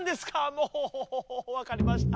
もうわかりました。